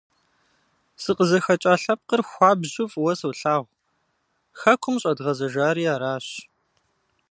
СыкъызыхэкӀа лъэпкъыр хуабжьу фӀыуэ солъагъу, хэкум къыщӀэдгъэзэжари аращ.